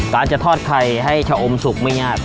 การจะทอดไข่ให้ชะอมสุกไม่ยาก